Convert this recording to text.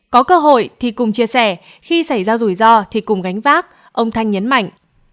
có cơ hội thì cùng chia sẻ khi xảy ra rủi ro thì cùng gánh vác ông thanh nhấn mạnh